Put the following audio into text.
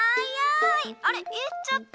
あれいっちゃった。